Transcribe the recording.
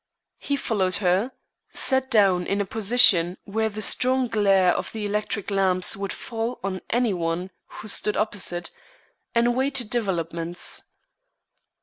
He followed her, sat down in a position where the strong glare of the electric lamps would fall on any one who stood opposite, and waited developments.